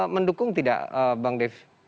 mendukung tidak bang dev